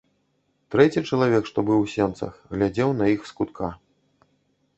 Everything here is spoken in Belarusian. Трэці чалавек, што быў у сенцах, глядзеў на іх з кутка.